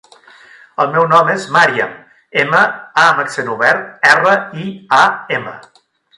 El meu nom és Màriam: ema, a amb accent obert, erra, i, a, ema.